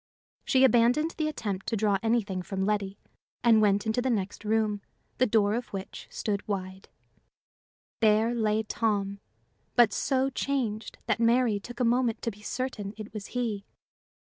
She abandoned the attempt to draw anything from Letty, and went into the next room, the door of which stood wide. There lay Tom, but so changed that Mary took a moment to be certain it was he.